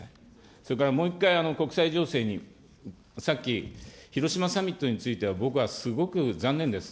それからもう一回国際情勢に、さっき、広島サミットについては僕はすごく残念です。